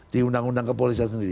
di undang undang kepolisian sendiri